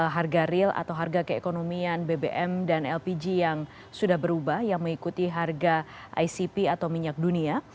harga real atau harga keekonomian bbm dan lpg yang sudah berubah yang mengikuti harga icp atau minyak dunia